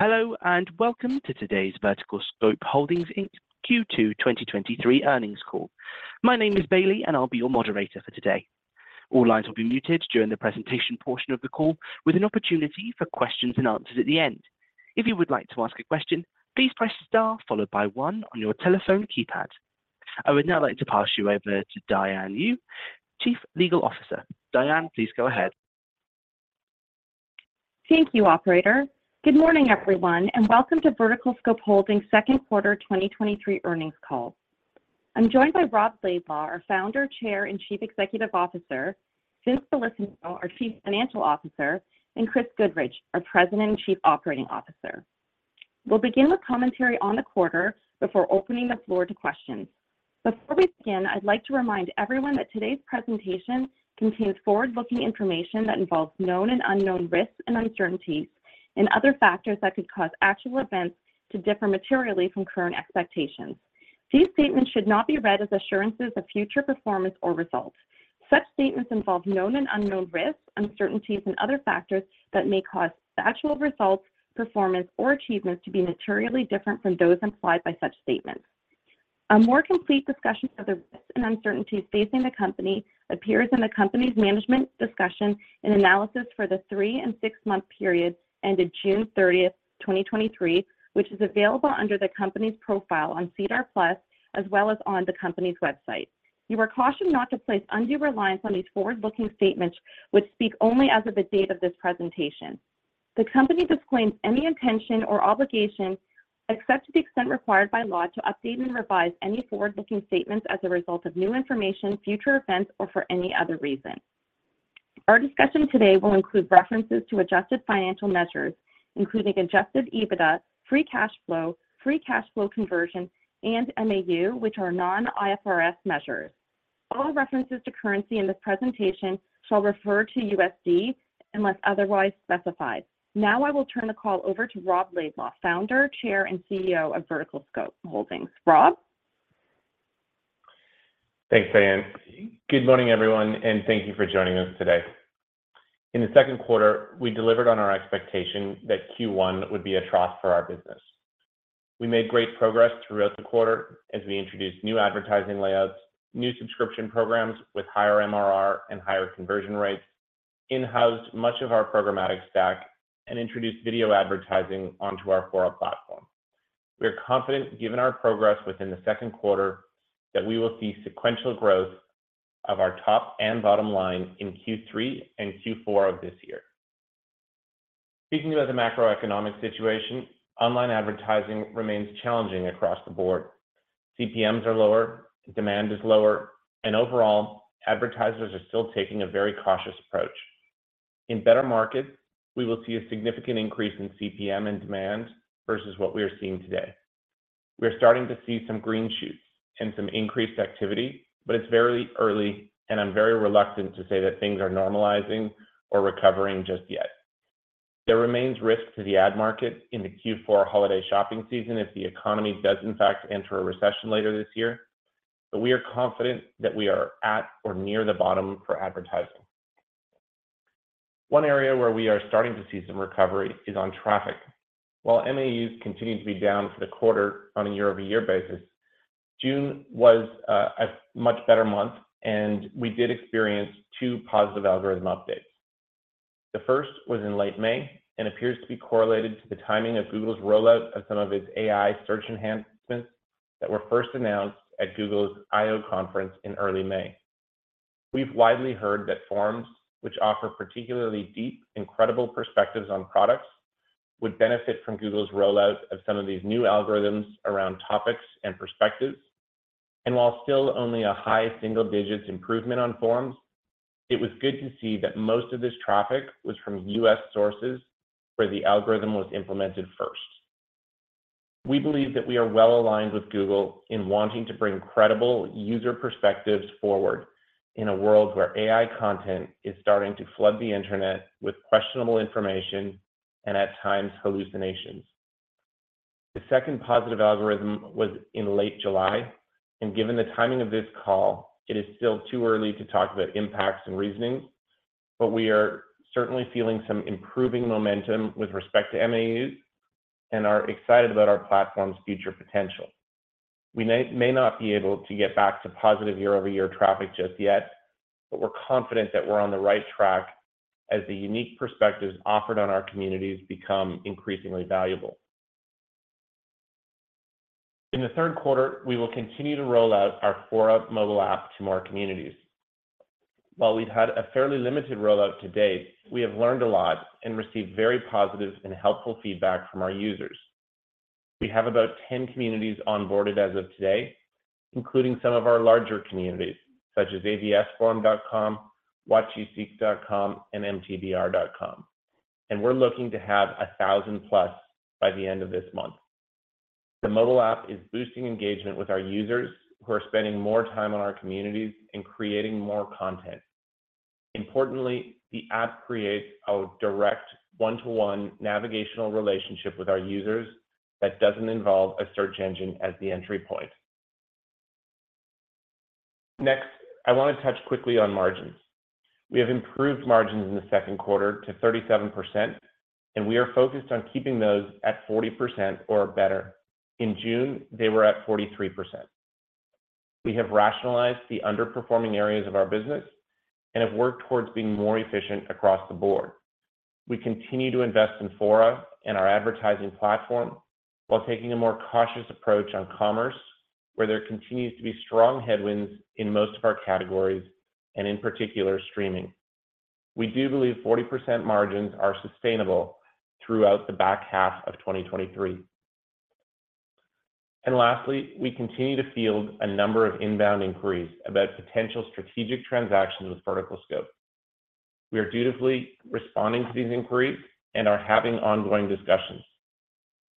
Hello, welcome to today's VerticalScope Holdings, Inc. Q2 2023 earnings call. My name is Bailey, and I'll be your moderator for today. All lines will be muted during the presentation portion of the call, with an opportunity for questions and answers at the end. If you would like to ask a question, please press star followed by 1 on your telephone keypad. I would now like to pass you over to Diane Yu, Chief Legal Officer. Diane, please go ahead. Thank you, operator. Good morning, everyone, and welcome to VerticalScope Holdings' 2nd quarter 2023 earnings call. I'm joined by Rob Laidlaw, our Founder, Chair, and Chief Executive Officer; Vince Bellissimo, our Chief Financial Officer; and Chris Goodridge, our President and Chief Operating Officer. We'll begin with commentary on the quarter before opening the floor to questions. Before we begin, I'd like to remind everyone that today's presentation contains forward-looking information that involves known and unknown risks and uncertainties and other factors that could cause actual events to differ materially from current expectations. These statements should not be read as assurances of future performance or results. Such statements involve known and unknown risks, uncertainties, and other factors that may cause the actual results, performance, or achievements to be materially different from those implied by such statements. A more complete discussion of the risks and uncertainties facing the company appears in the company's management discussion and analysis for the three and six-month periods ended June 30th, 2023, which is available under the company's profile on SEDAR+, as well as on the company's website. You are cautioned not to place undue reliance on these forward-looking statements, which speak only as of the date of this presentation. The company disclaims any intention or obligation, except to the extent required by law, to update and revise any forward-looking statements as a result of new information, future events, or for any other reason. Our discussion today will include references to adjusted financial measures, including Adjusted EBITDA, free cash flow, free cash flow conversion, and MAU, which are non-IFRS measures. All references to currency in this presentation shall refer to USD unless otherwise specified. Now, I will turn the call over to Rob Laidlaw, Founder, Chair, and CEO of VerticalScope Holdings. Rob? Thanks, Diane. Good morning, everyone, thank you for joining us today. In the second quarter, we delivered on our expectation that Q1 would be a trough for our business. We made great progress throughout the quarter as we introduced new advertising layouts, new subscription programs with higher MRR and higher conversion rates, in-housed much of our programmatic stack, and introduced video advertising onto our Fora platform. We are confident, given our progress within the second quarter, that we will see sequential growth of our top and bottom line in Q3 and Q4 of this year. Speaking about the macroeconomic situation, online advertising remains challenging across the board. CPMs are lower, demand is lower, and overall, advertisers are still taking a very cautious approach. In better markets, we will see a significant increase in CPM and demand versus what we are seeing today. We are starting to see some green shoots and some increased activity, but it's very early, and I'm very reluctant to say that things are normalizing or recovering just yet. There remains risk to the ad market in the Q4 holiday shopping season if the economy does in fact enter a recession later this year, but we are confident that we are at or near the bottom for advertising. One area where we are starting to see some recovery is on traffic. While MAUs continue to be down for the quarter on a year-over-year basis, June was a much better month, and we did experience two positive algorithm updates. The first was in late May and appears to be correlated to the timing of Google's rollout of some of its AI search enhancements that were first announced at Google's I/O conference in early May. We've widely heard that forums, which offer particularly deep, incredible perspectives on products, would benefit from Google's rollout of some of these new algorithms around topics and perspectives. While still only a high single-digits improvement on forums, it was good to see that most of this traffic was from US sources, where the algorithm was implemented first. We believe that we are well aligned with Google in wanting to bring credible user perspectives forward in a world where AI content is starting to flood the internet with questionable information and, at times, hallucinations. The second positive algorithm was in late July. Given the timing of this call, it is still too early to talk about impacts and reasonings, but we are certainly feeling some improving momentum with respect to MAUs and are excited about our platform's future potential. We may, may not be able to get back to positive year-over-year traffic just yet, but we're confident that we're on the right track as the unique perspectives offered on our communities become increasingly valuable. In the third quarter, we will continue to roll out our Fora mobile app to more communities. While we've had a fairly limited rollout to date, we have learned a lot and received very positive and helpful feedback from our users. We have about 10 communities onboarded as of today, including some of our larger communities, such as avsforum.com, watchuseek.com, and mtbr.com, and we're looking to have 1,000+ by the end of this month. The mobile app is boosting engagement with our users, who are spending more time on our communities and creating more content. Importantly, the app creates a direct one-to-one navigational relationship with our users that doesn't involve a search engine as the entry point. Next, I wanna touch quickly on margins. We have improved margins in the second quarter to 37%, and we are focused on keeping those at 40% or better. In June, they were at 43%. We have rationalized the underperforming areas of our business and have worked towards being more efficient across the board. We continue to invest in Fora and our advertising platform, while taking a more cautious approach on commerce, where there continues to be strong headwinds in most of our categories, and in particular, streaming. We do believe 40% margins are sustainable throughout the back half of 2023. Lastly, we continue to field a number of inbound inquiries about potential strategic transactions with VerticalScope. We are dutifully responding to these inquiries and are having ongoing discussions.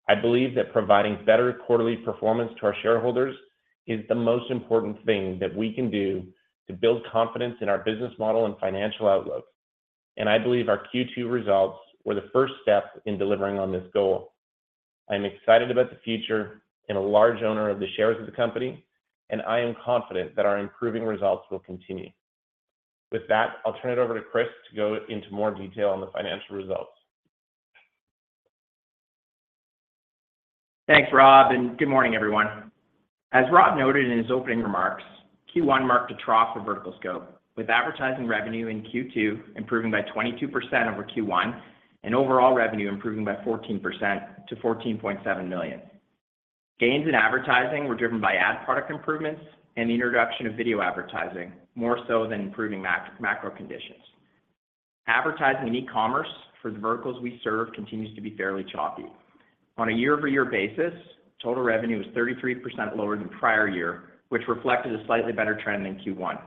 I believe that providing better quarterly performance to our shareholders is the most important thing that we can do to build confidence in our business model and financial outlook, and I believe our Q2 results were the first step in delivering on this goal. I'm excited about the future and a large owner of the shares of the company, and I am confident that our improving results will continue. With that, I'll turn it over to Chris to go into more detail on the financial results. Thanks, Rob. Good morning, everyone. As Rob noted in his opening remarks, Q1 marked a trough for VerticalScope, with advertising revenue in Q2 improving by 22% over Q1, and overall revenue improving by 14% million-$14.7 million. Gains in advertising were driven by ad product improvements and the introduction of video advertising, more so than improving macro conditions. Advertising and e-commerce for the verticals we serve continues to be fairly choppy. On a year-over-year basis, total revenue was 33% lower than prior year, which reflected a slightly better trend than Q1.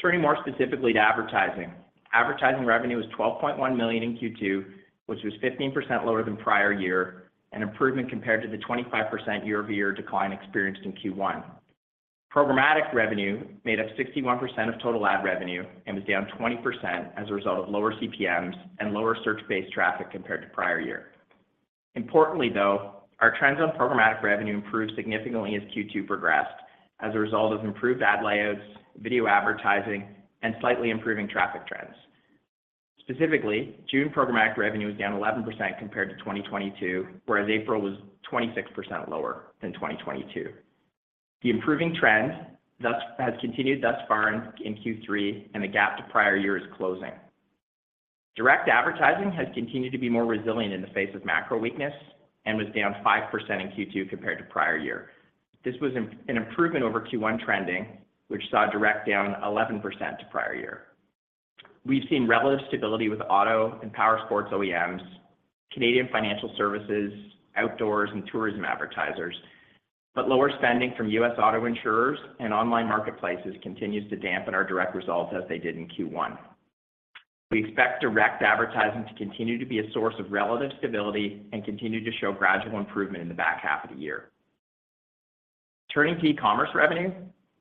Turning more specifically to advertising. Advertising revenue was $12.1 million in Q2, which was 15% lower than prior year, an improvement compared to the 25% year-over-year decline experienced in Q1. Programmatic revenue made up 61% of total ad revenue and was down 20% as a result of lower CPMs and lower search-based traffic compared to prior year. Importantly, though, our trends on programmatic revenue improved significantly as Q2 progressed, as a result of improved ad layouts, video advertising, and slightly improving traffic trends. Specifically, June programmatic revenue was down 11% compared to 2022, whereas April was 26% lower than 2022. The improving trend has continued thus far in Q3, and the gap to prior year is closing. Direct advertising has continued to be more resilient in the face of macro weakness and was down 5% in Q2 compared to prior year. This was an improvement over Q1 trending, which saw direct down 11% to prior year. We've seen relative stability with auto and power sports OEMs, Canadian financial services, outdoors, and tourism advertisers, lower spending from U.S. auto insurers and online marketplaces continues to dampen our direct results as they did in Q1. We expect direct advertising to continue to be a source of relative stability and continue to show gradual improvement in the back half of the year. Turning to e-commerce revenue.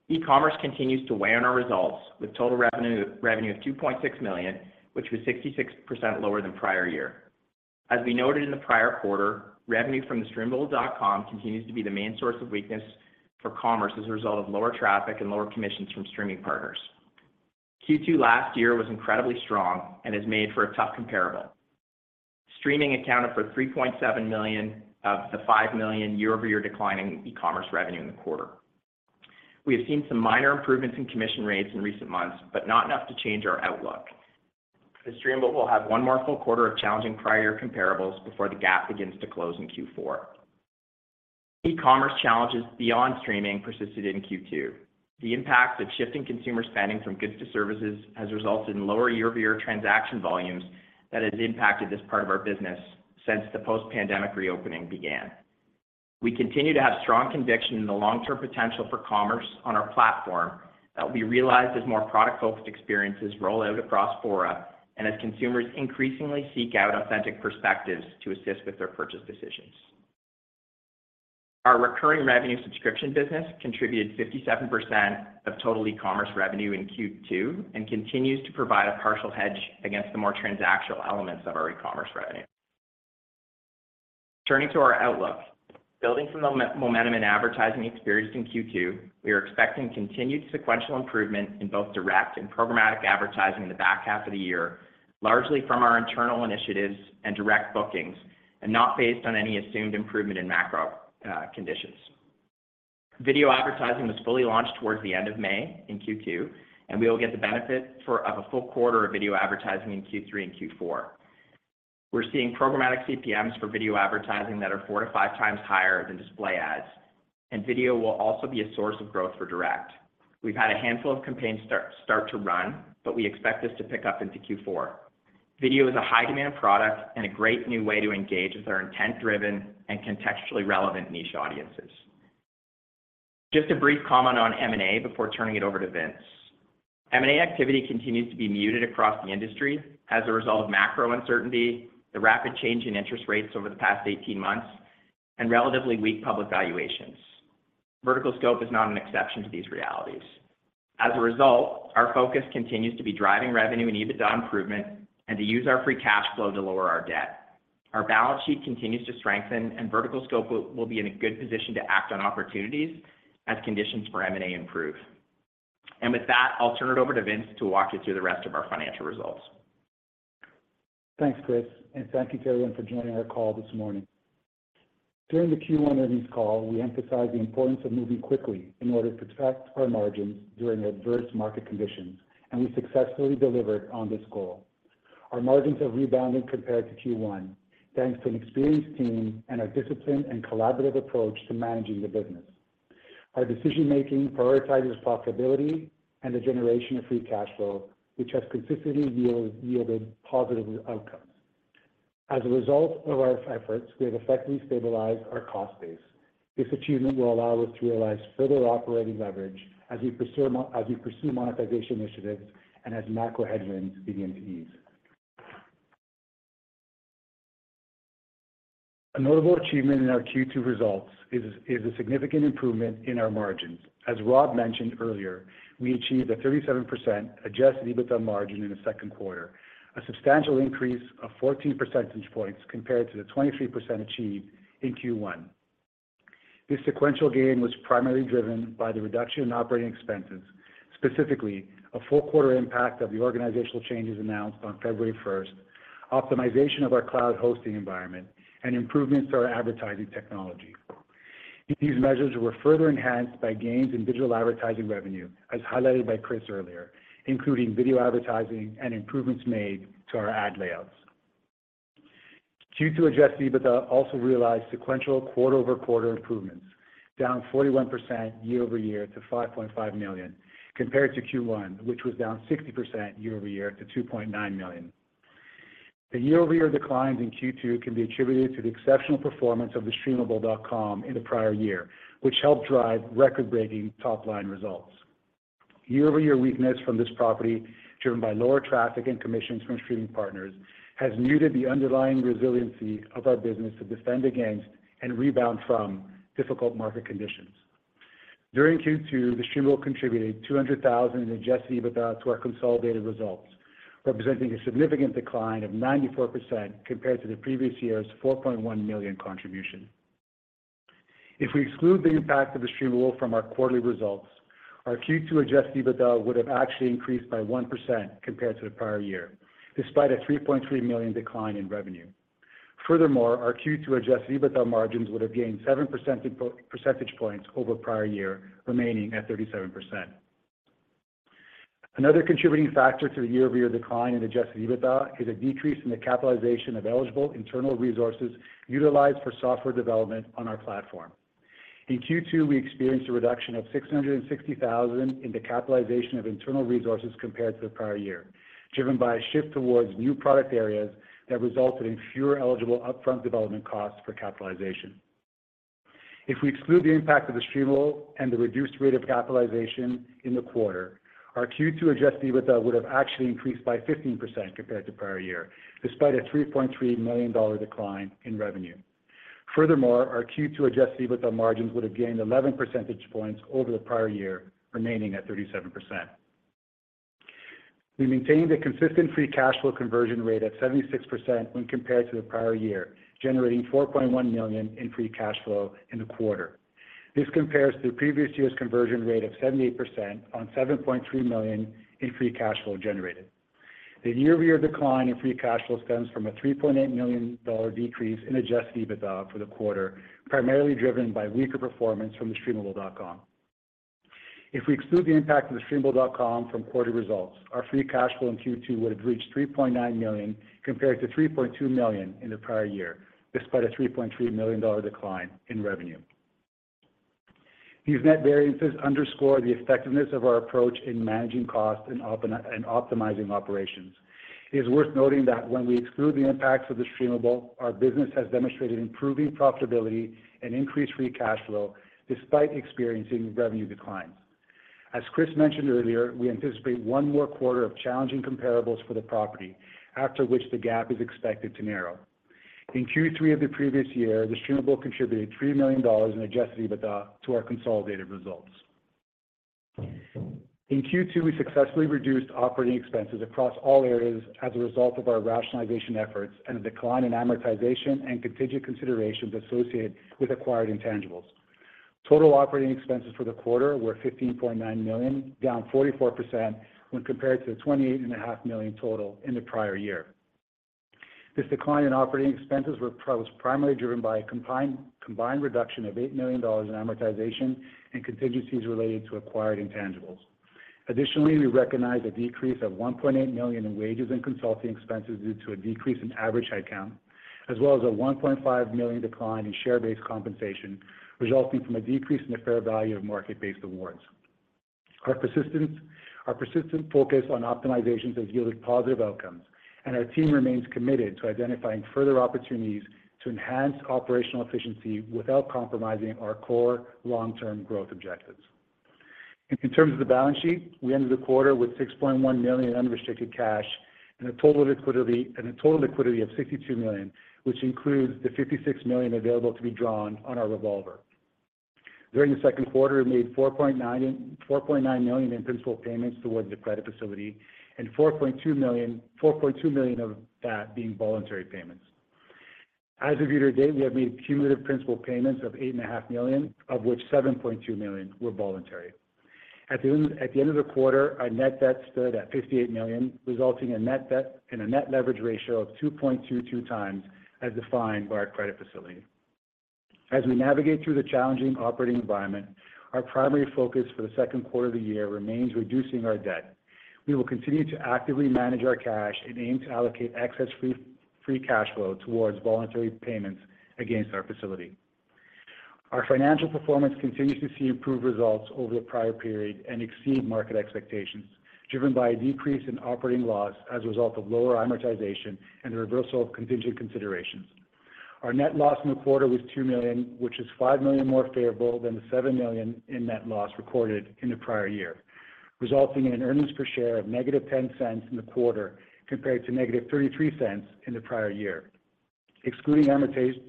E-commerce continues to weigh on our results, with total revenue, revenue of $2.6 million, which was 66% lower than prior year. As we noted in the prior quarter, revenue from thestreamable.com continues to be the main source of weakness for commerce as a result of lower traffic and lower commissions from streaming partners. Q2 last year was incredibly strong and has made for a tough comparable. Streaming accounted for $3.7 million of the $5 million year-over-year decline in e-commerce revenue in the quarter. We have seen some minor improvements in commission rates in recent months, but not enough to change our outlook. TheStreamable will have one more full quarter of challenging prior comparables before the gap begins to close in Q4. E-commerce challenges beyond streaming persisted in Q2. The impact of shifting consumer spending from goods to services has resulted in lower year-over-year transaction volumes that has impacted this part of our business since the post-pandemic reopening began. We continue to have strong conviction in the long-term potential for commerce on our platform, that will be realized as more product-focused experiences roll out across Fora, and as consumers increasingly seek out authentic perspectives to assist with their purchase decisions. Our recurring revenue subscription business contributed 57% of total e-commerce revenue in Q2, and continues to provide a partial hedge against the more transactional elements of our e-commerce revenue. Turning to our outlook. Building from the momentum in advertising experienced in Q2, we are expecting continued sequential improvement in both direct and programmatic advertising in the back half of the year, largely from our internal initiatives and direct bookings, and not based on any assumed improvement in macro conditions. Video advertising was fully launched towards the end of May in Q2, and we will get the benefit of a full quarter of video advertising in Q3 and Q4. We're seeing programmatic CPMs for video advertising that are four to five times higher than display ads, and video will also be a source of growth for direct. We've had a handful of campaigns start to run, but we expect this to pick up into Q4. Video is a high-demand product and a great new way to engage with our intent-driven and contextually relevant niche audiences. Just a brief comment on M&A before turning it over to Vince. M&A activity continues to be muted across the industry as a result of macro uncertainty, the rapid change in interest rates over the past 18 months, and relatively weak public valuations. VerticalScope is not an exception to these realities. As a result, our focus continues to be driving revenue and EBITDA improvement, and to use our free cash flow to lower our debt. Our balance sheet continues to strengthen, and VerticalScope will be in a good position to act on opportunities as conditions for M&A improve. With that, I'll turn it over to Vince to walk you through the rest of our financial results. Thanks, Chris. Thank you everyone for joining our call this morning. During the Q1 earnings call, we emphasized the importance of moving quickly in order to protect our margins during adverse market conditions, and we successfully delivered on this goal. Our margins have rebounded compared to Q1, thanks to an experienced team and our disciplined and collaborative approach to managing the business. Our decision-making prioritizes profitability and the generation of free cash flow, which has consistently yielded positive outcomes. As a result of our efforts, we have effectively stabilized our cost base. This achievement will allow us to realize further operating leverage as we pursue monetization initiatives and as macro headwinds begin to ease. A notable achievement in our Q2 results is a significant improvement in our margins. As Rob mentioned earlier, we achieved a 37% Adjusted EBITDA margin in the second quarter, a substantial increase of 14 percentage points compared to the 23% achieved in Q1. This sequential gain was primarily driven by the reduction in operating expenses, specifically a full quarter impact of the organizational changes announced on February 1st, optimization of our cloud hosting environment, and improvements to our advertising technology. These measures were further enhanced by gains in digital advertising revenue, as highlighted by Chris earlier, including video advertising and improvements made to our ad layouts. Q2 Adjusted EBITDA also realized sequential quarter-over-quarter improvements, down 41% year-over-year to $5.5 million, compared to Q1, which was down 60% year-over-year to $2.9 million. The year-over-year declines in Q2 can be attributed to the exceptional performance of thestreamable.com in the prior year, which helped drive record-breaking top-line results. Year-over-year weakness from this property, driven by lower traffic and commissions from streaming partners, has muted the underlying resiliency of our business to defend against and rebound from difficult market conditions. During Q2, TheStreamable contributed $200,000 in Adjusted EBITDA to our consolidated results, representing a significant decline of 94% compared to the previous year's $4.1 million contribution. If we exclude the impact of TheStreamable from our quarterly results, our Q2 Adjusted EBITDA would have actually increased by 1% compared to the prior year, despite a $3.3 million decline in revenue. Furthermore, our Q2 Adjusted EBITDA margins would have gained 7 percentage points over prior year, remaining at 37%. Another contributing factor to the year-over-year decline in Adjusted EBITDA is a decrease in the capitalization of eligible internal resources utilized for software development on our platform. In Q2, we experienced a reduction of $660,000 in the capitalization of internal resources compared to the prior year, driven by a shift towards new product areas that resulted in fewer eligible upfront development costs for capitalization. If we exclude the impact of TheStreamable and the reduced rate of capitalization in the quarter, our Q2 Adjusted EBITDA would have actually increased by 15% compared to prior year, despite a $3.3 million decline in revenue. Furthermore, our Q2 Adjusted EBITDA margins would have gained 11 percentage points over the prior year, remaining at 37%. We maintained a consistent free cash flow conversion rate of 76% when compared to the prior year, generating $4.1 million in free cash flow in the quarter. This compares to the previous year's conversion rate of 78% on $7.3 million in free cash flow generated. The year-over-year decline in free cash flow stems from a $3.8 million decrease in Adjusted EBITDA for the quarter, primarily driven by weaker performance from thestreamable.com. If we exclude the impact of thestreamable.com from quarterly results, our free cash flow in Q2 would have reached $3.9 million, compared to $3.2 million in the prior year, despite a $3.3 million decline in revenue. These net variances underscore the effectiveness of our approach in managing costs and optimizing operations. It is worth noting that when we exclude the impacts of TheStreamable, our business has demonstrated improving profitability and increased free cash flow, despite experiencing revenue declines. As Chris mentioned earlier, we anticipate one more quarter of challenging comparables for the property, after which the gap is expected to narrow. In Q3 of the previous year, TheStreamable contributed $3 million in Adjusted EBITDA to our consolidated results. In Q2, we successfully reduced operating expenses across all areas as a result of our rationalization efforts and a decline in amortization and contingent considerations associated with acquired intangibles. Total operating expenses for the quarter were $15.9 million, down 44% when compared to the $28.5 million total in the prior year. This decline in operating expenses was primarily driven by a combined reduction of $8 million in amortization and contingencies related to acquired intangibles. Additionally, we recognized a decrease of $1.8 million in wages and consulting expenses due to a decrease in average headcount, as well as a $1.5 million decline in share-based compensation, resulting from a decrease in the fair value of market-based awards. Our persistent focus on optimizations has yielded positive outcomes, and our team remains committed to identifying further opportunities to enhance operational efficiency without compromising our core long-term growth objectives. In terms of the balance sheet, we ended the quarter with $6.1 million in unrestricted cash and a total liquidity of $62 million, which includes the $56 million available to be drawn on our revolver. During the second quarter, we made $4.9 million in principal payments towards the credit facility, and $4.2 million of that being voluntary payments. As of year-to-date, we have made cumulative principal payments of $8.5 million, of which $7.2 million were voluntary. At the end of the quarter, our net debt stood at $58 million, resulting in net debt and a net leverage ratio of 2.22 times as defined by our credit facility. As we navigate through the challenging operating environment, our primary focus for the second quarter of the year remains reducing our debt. We will continue to actively manage our cash and aim to allocate excess free cash flow towards voluntary payments against our facility. Our financial performance continues to see improved results over the prior period and exceed market expectations, driven by a decrease in operating loss as a result of lower amortization and the reversal of contingent considerations. Our net loss in the quarter was $2 million, which is $5 million more favorable than the $7 million in net loss recorded in the prior year, resulting in an earnings per share of -$0.10 in the quarter, compared to -$0.33 in the prior year. Excluding amortization,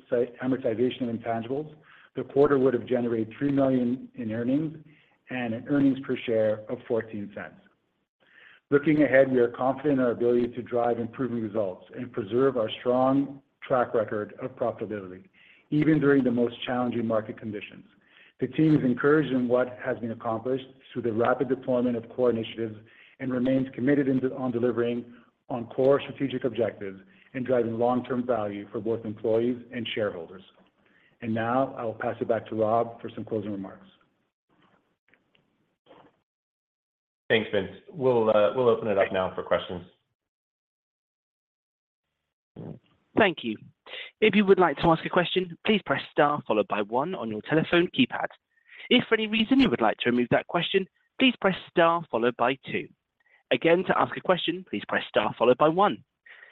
amortization intangibles, the quarter would have generated $3 million in earnings and an earnings per share of $0.14. Looking ahead, we are confident in our ability to drive improving results and preserve our strong track record of profitability, even during the most challenging market conditions. The team is encouraged in what has been accomplished through the rapid deployment of core initiatives and remains committed in on delivering on core strategic objectives and driving long-term value for both employees and shareholders. Now, I will pass it back to Rob for some closing remarks. Thanks, Vince. We'll open it up now for questions. Thank you. If you would like to ask a question, please press Star, followed by One on your telephone keypad. If for any reason you would like to remove that question, please press Star, followed by Two. Again, to ask a question, please press Star, followed by One.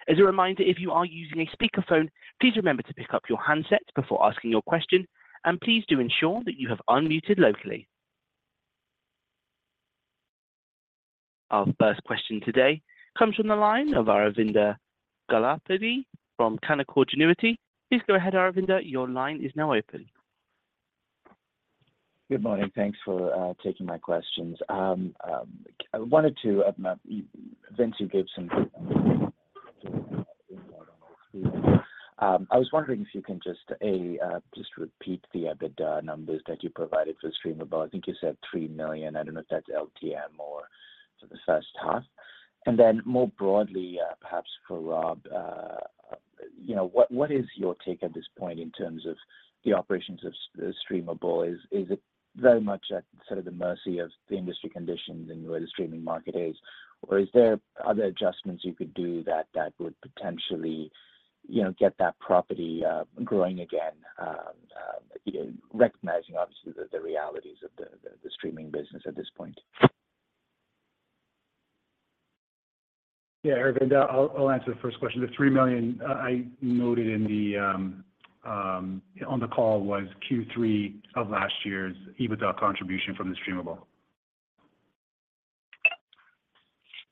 As a reminder, if you are using a speakerphone, please remember to pick up your handset before asking your question, and please do ensure that you have unmuted locally. Our first question today comes from the line of Aravinda Galappatthige from Canaccord Genuity. Please go ahead, Aravinda. Your line is now open. Good morning. Thanks for taking my questions. I wanted to, Vince, you gave some... I was wondering if you can just repeat the EBITDA numbers that you provided for Streamable. I think you said $3 million. I don't know if that's LTM or for the first half. Then more broadly, perhaps for Rob, you know, what, what is your take at this point in terms of the operations of Streamable? Is it very much at sort of the mercy of the industry conditions and where the streaming market is? Is there other adjustments you could do that, that would potentially, you know, get that property growing again, recognizing, obviously, the, the realities of the, the streaming business at this point? Yeah, Aravinda, I'll, I'll answer the first question. The $3 million I noted in the on the call was Q3 of last year's EBITDA contribution from TheStreamable.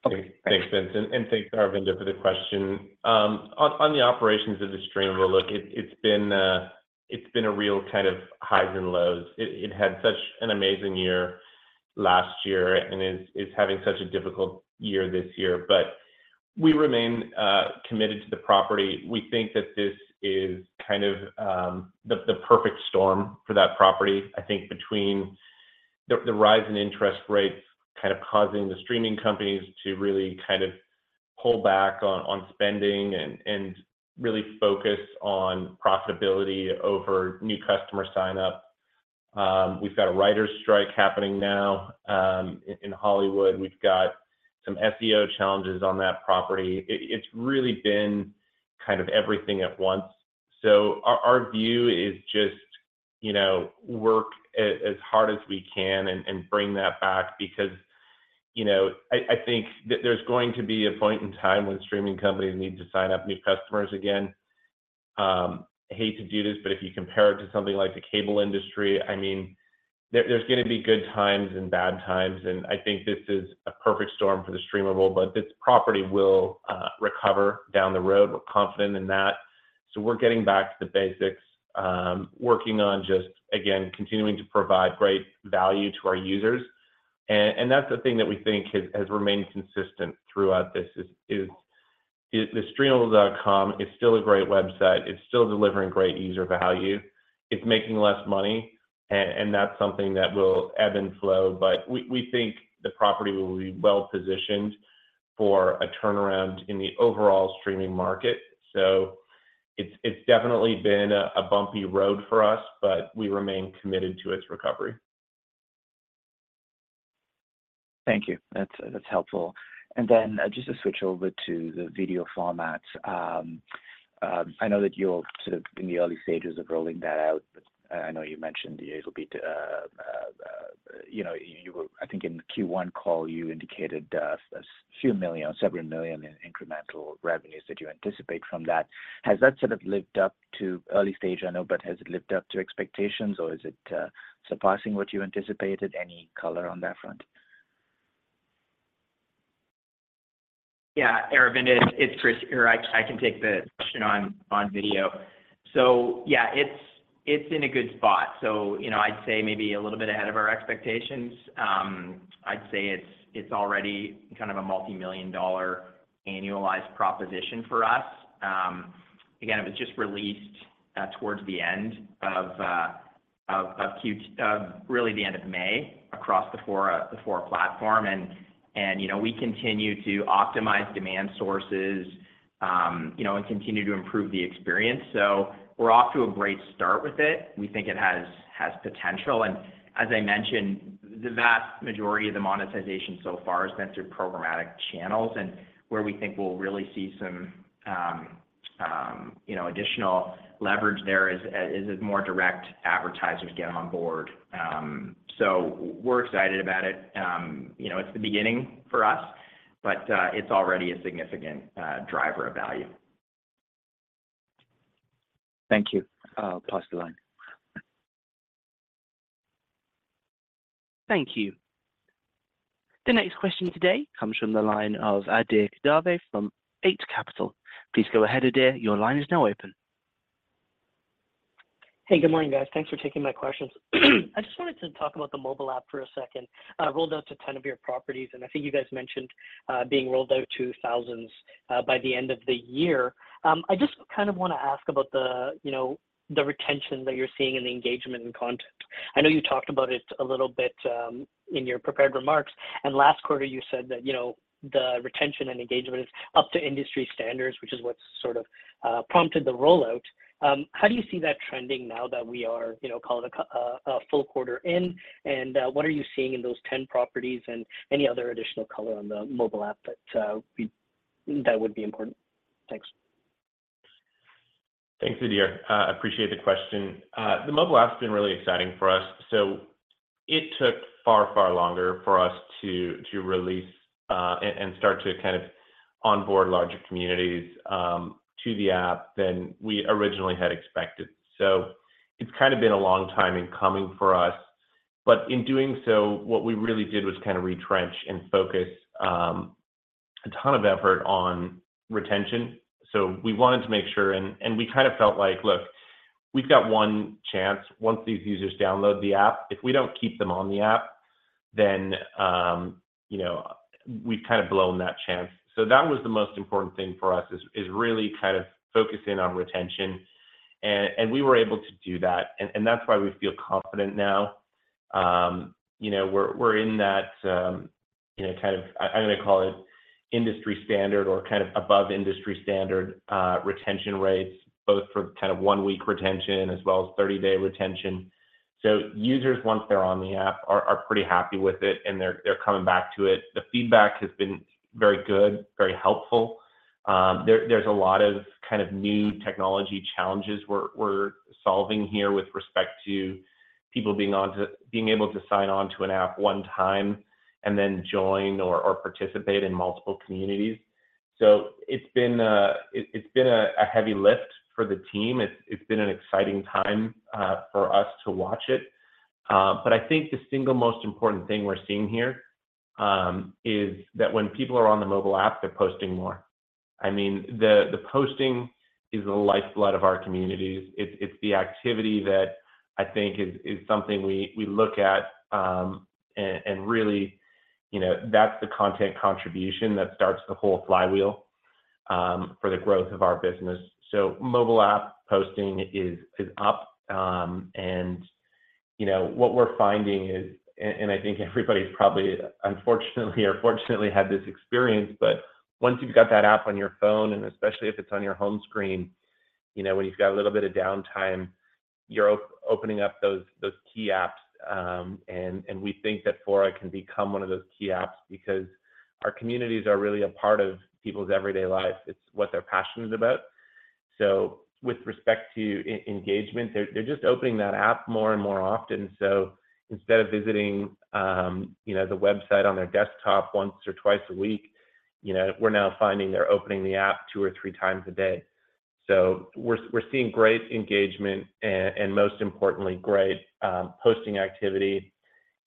Okay, thanks, Vince, and thanks, Aravinda, for the question. On, on the operations of TheStreamable, look, it, it's been, it's been a real kind of highs and lows. It, it had such an amazing year last year and is, is having such a difficult year this year, but we remain, committed to the property. We think that this is kind of, the, the perfect storm for that property. I think between the, the rise in interest rates kind of causing the streaming companies to really kind of pull back on, on spending and, and really focus on profitability over new customer sign-up. We've got a writers' strike happening now, in Hollywood. We've got some SEO challenges on that property. It, it's really been kind of everything at once. Our, our view is just, you know, work as hard as we can and, and bring that back because, you know, I, I think that there's going to be a point in time when streaming companies need to sign up new customers again. Hate to do this, but if you compare it to something like the cable industry, I mean, there, there's going to be good times and bad times, and I think this is a perfect storm for The Streamable, but this property will recover down the road. We're confident in that. We're getting back to the basics, working on just, again, continuing to provide great value to our users. That's the thing that we think has, has remained consistent throughout this is, is thestreamable.com is still a great website. It's still delivering great user value. It's making less money, and that's something that will ebb and flow, but we, we think the property will be well positioned for a turnaround in the overall streaming market. It's, it's definitely been a, a bumpy road for us, but we remain committed to its recovery. Thank you. That's, that's helpful. Then just to switch over to the video format, I know that you're sort of in the early stages of rolling that out, but I, I know you mentioned the A to B to, you know, I think in the Q1 call, you indicated a few million, several million in incremental-... revenues that you anticipate from that. Has that sort of lived up to, early stage, I know, but has it lived up to expectations, or is it surpassing what you anticipated? Any color on that front? Yeah, Aravind, it, it's Chris here. I can take the question on, on video. Yeah, it's, it's in a good spot. You know, I'd say maybe a little bit ahead of our expectations. I'd say it's, it's already kind of a multimillion dollar annualized proposition for us. Again, it was just released towards the end of Q- really the end of May across the Fora, the Fora platform. You know, we continue to optimize demand sources, you know, and continue to improve the experience. We're off to a great start with it. We think it has, has potential, and as I mentioned, the vast majority of the monetization so far has been through programmatic channels, and where we think we'll really see some, you know, additional leverage there is as more direct advertisers get on board. We're excited about it. You know, it's the beginning for us, but it's already a significant driver of value. Thank you. I'll pass the line. Thank you. The next question today comes from the line of Adhir Kadve from Eight Capital. Please go ahead, Adhir. Your line is now open. Hey, good morning, guys. Thanks for taking my questions. I just wanted to talk about the mobile app for a second. rolled out to 10 of your properties, and I think you guys mentioned being rolled out to thousands by the end of the year. I just kind of wanna ask about the, you know, the retention that you're seeing and the engagement and content. I know you talked about it a little bit, in your prepared remarks, and last quarter you said that, you know, the retention and engagement is up to industry standards, which is what sort of prompted the rollout. How do you see that trending now that we are, you know, call it a full quarter in, and what are you seeing in those 10 properties? Any other additional color on the mobile app that would be important. Thanks. Thanks, Adhir. Appreciate the question. The mobile app's been really exciting for us. It took far, far longer for us to, to release, and, and start to kind of onboard larger communities to the app than we originally had expected. It's kind of been a long time in coming for us. In doing so, what we really did was kind of retrench and focus a ton of effort on retention. We wanted to make sure, and, and we kind of felt like, look, we've got one chance. Once these users download the app, if we don't keep them on the app, then, you know, we've kind of blown that chance. That was the most important thing for us, is, is really kind of focusing on retention, and, and we were able to do that. That's why we feel confident now. you know, we're, we're in that, you know, kind of, I- I'm gonna call it industry standard or kind of above industry standard, retention rates, both for kind of one-week retention as well as 30-day retention. Users, once they're on the app, are, are pretty happy with it, and they're, they're coming back to it. The feedback has been very good, very helpful. There, there's a lot of kind of new technology challenges we're, we're solving here with respect to people being able to sign on to an app one time and then join or, or participate in multiple communities. It's been a, it's been a, a heavy lift for the team. It's, it's been an exciting time for us to watch it. I think the single most important thing we're seeing here is that when people are on the mobile app, they're posting more. I mean, the posting is the lifeblood of our communities. It's, it's the activity that I think is, is something we look at, and really, you know, that's the content contribution that starts the whole flywheel for the growth of our business. Mobile app posting is up, and, you know, what we're finding is. I think everybody's probably, unfortunately or fortunately, had this experience, but once you've got that app on your phone, and especially if it's on your home screen, you know, when you've got a little bit of downtime, you're opening up those, those key apps. We think that Fora can become one of those key apps because our communities are really a part of people's everyday life. It's what they're passionate about. With respect to engagement, they're just opening that app more and more often. Instead of visiting, you know, the website on their desktop once or twice a week, you know, we're now finding they're opening the app two or three times a day. We're seeing great engagement and most importantly, great posting activity.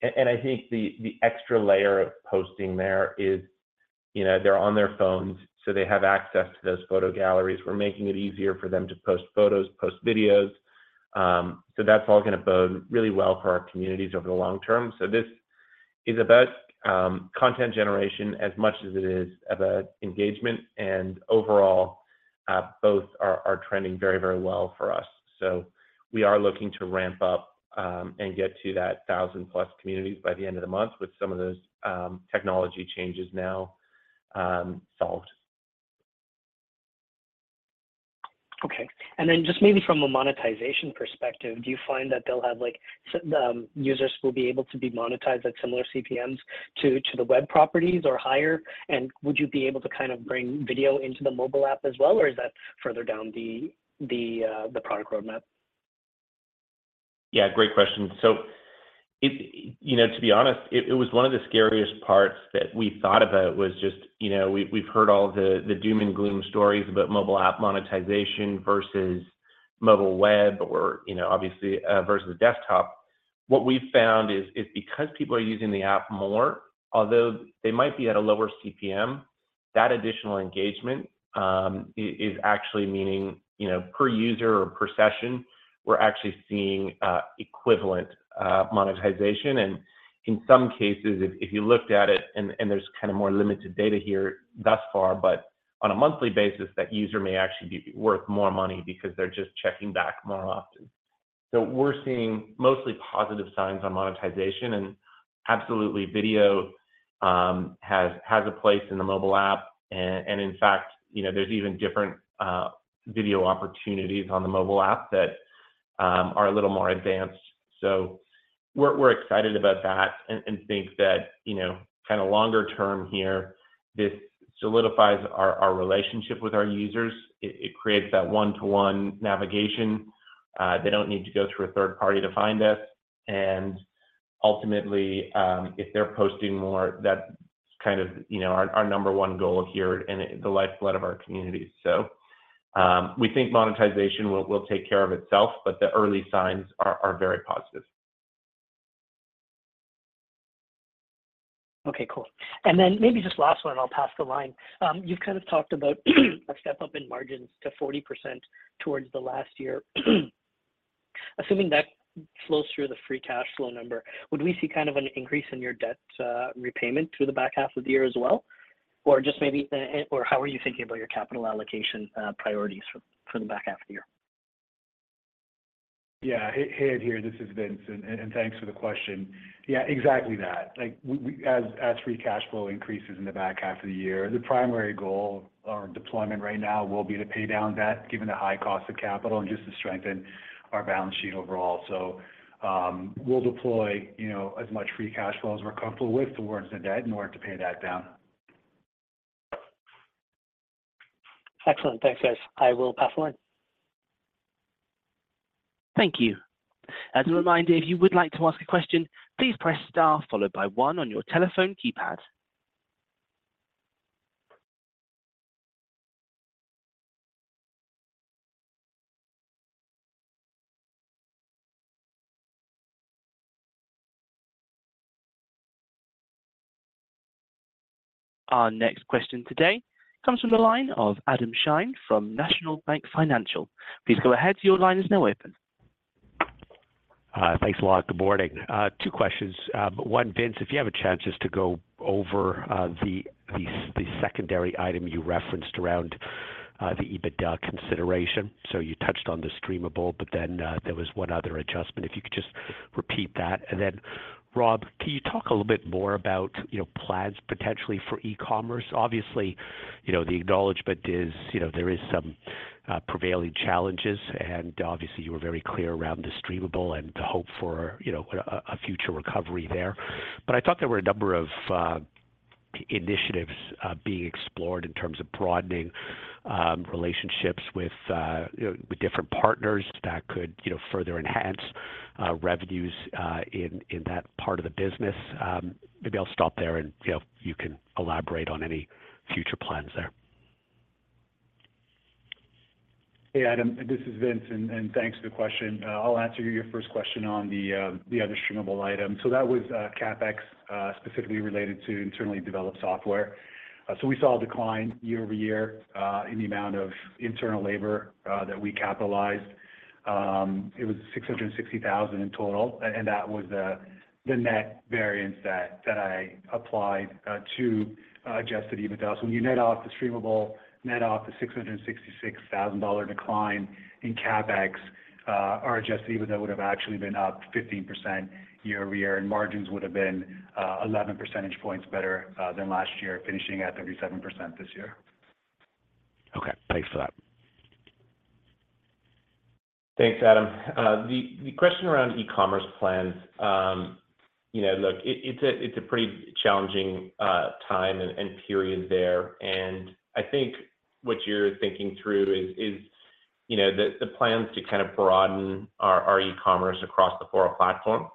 I think the extra layer of posting there is, you know, they're on their phones, so they have access to those photo galleries. We're making it easier for them to post photos, post videos. That's all gonna bode really well for our communities over the long term. This is about content generation as much as it is about engagement, and overall, both are trending very, very well for us. We are looking to ramp up and get to that 1,000+ communities by the end of the month with some of those technology changes now solved. Okay. Then just maybe from a monetization perspective, do you find that they'll have, like, users will be able to be monetized at similar CPMs to, to the web properties or higher? Would you be able to kind of bring video into the mobile app as well, or is that further down the, the product roadmap?... Yeah, great question. So it, you know, to be honest, it, it was one of the scariest parts that we thought about, was just, you know, we've, we've heard all the, the doom and gloom stories about mobile app monetization versus mobile web or, you know, obviously, versus desktop. What we've found is, is because people are using the app more, although they might be at a lower CPM, that additional engagement is actually meaning, you know, per user or per session, we're actually seeing equivalent monetization. In some cases, if, if you looked at it and, and there's kinda more limited data here thus far, but on a monthly basis, that user may actually be worth more money because they're just checking back more often. We're seeing mostly positive signs on monetization, and absolutely, video has, has a place in the mobile app. In fact, you know, there's even different video opportunities on the mobile app that are a little more advanced. We're, we're excited about that and, and think that, you know, kinda longer term here, this solidifies our, our relationship with our users. It, it creates that one-to-one navigation. They don't need to go through a third party to find us, and ultimately, if they're posting more, that's kind of, you know, our number 1 goal here and the lifeblood of our communities. We think monetization will, will take care of itself, but the early signs are, are very positive. Okay, cool. Then maybe just last one, and I'll pass the line. You've kind of talked about a step up in margins to 40% towards the last year. Assuming that flows through the free cash flow number, would we see kind of an increase in your debt repayment through the back half of the year as well? Just maybe how are you thinking about your capital allocation priorities for the back half of the year? Yeah. Hey, Adhir, here this is Vince, and thanks for the question. Yeah, exactly that. Like, as free cash flow increases in the back half of the year, the primary goal or deployment right now will be to pay down debt, given the high cost of capital and just to strengthen our balance sheet overall. We'll deploy, you know, as much free cash flow as we're comfortable with towards the debt in order to pay that down. Excellent. Thanks, guys. I will pass the line. Thank you. As a reminder, if you would like to ask a question, please press Star, followed by 1 on your telephone keypad. Our next question today comes from the line of Adam Shine from National Bank Financial. Please go ahead. Your line is now open. Thanks a lot. Good morning. Two questions. One, Vince, if you have a chance just to go over the secondary item you referenced around the EBITDA consideration. You touched on TheStreamable, but then there was one other adjustment, if you could just repeat that. Rob, can you talk a little bit more about, you know, plans potentially for e-commerce? Obviously, you know, the acknowledgement is, you know, there is some prevailing challenges, and obviously, you were very clear around TheStreamable and the hope for, you know, a future recovery there. I thought there were a number of initiatives being explored in terms of broadening relationships with, you know, with different partners that could, you know, further enhance revenues in that part of the business. Maybe I'll stop there, and, you know, you can elaborate on any future plans there. Hey, Adam, this is Vince, and thanks for the question. I'll answer your first question on TheStreamable item. That was CapEx specifically related to internally developed software. We saw a decline year-over-year in the amount of internal labor that we capitalized. It was $660,000 in total, and that was the net variance that I applied to Adjusted EBITDA. When you net off TheStreamable, net off the $666,000 decline in CapEx, our Adjusted EBITDA would have actually been up 15% year-over-year, and margins would have been 11 percentage points better than last year, finishing at 37% this year. Okay, thanks for that. Thanks, Adam. The, the question around e-commerce plans, you know, look, it, it's a, it's a pretty challenging time and, and period there. I think what you're thinking through is, is, you know, the, the plans to kind of broaden our, our e-commerce across the Fora platform.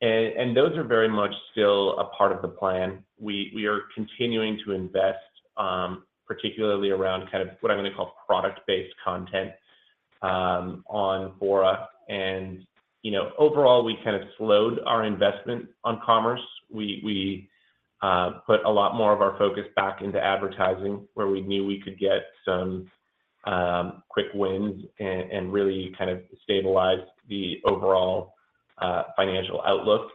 Those are very much still a part of the plan. We, we are continuing to invest, particularly around kind of what I'm gonna call product-based content, on Fora. You know, overall, we kind of slowed our investment on commerce. We, we put a lot more of our focus back into advertising, where we knew we could get some quick wins and, and really kind of stabilize the overall financial outlook.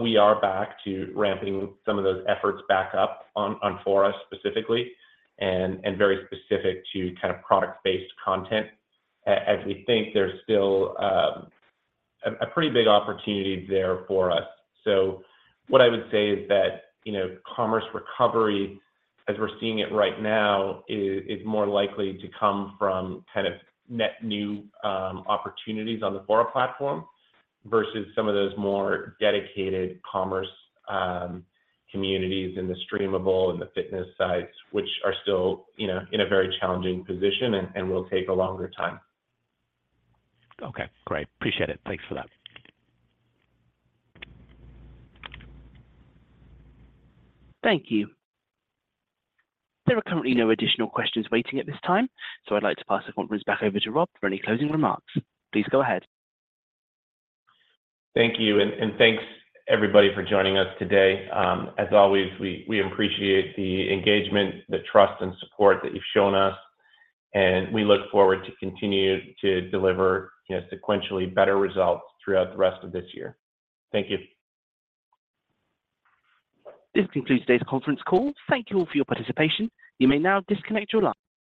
We are back to ramping some of those efforts back up on, on Fora specifically, and, and very specific to kind of product-based content, as we think there's still a pretty big opportunity there for us. What I would say is that, you know, commerce recovery, as we're seeing it right now, is more likely to come from kind of net new opportunities on the Fora platform versus some of those more dedicated commerce communities in TheStreamable and the fitness sites, which are still, you know, in a very challenging position and, and will take a longer time. Okay, great. Appreciate it. Thanks for that. Thank you. There are currently no additional questions waiting at this time, I'd like to pass the conference back over to Rob for any closing remarks. Please go ahead. Thank you, and thanks everybody for joining us today. As always, we, we appreciate the engagement, the trust and support that you've shown us, and we look forward to continue to deliver, you know, sequentially better results throughout the rest of this year. Thank you. This concludes today's conference call. Thank you all for your participation. You may now disconnect your line.